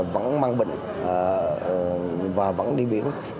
vẫn mang bệnh và vẫn đi biển